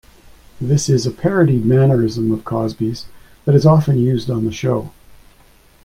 This is a parodied mannerism of Cosby's that is often used on the show.